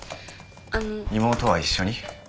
あの妹は一緒に？